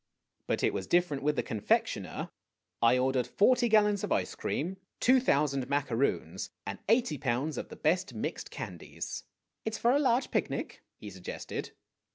But it was different with the confectioner. I ordered forty gallons of ice cream, two thousand macaroons, and eighty pounds of the best mixed candies. "It's for a large picnic ?" he suggested.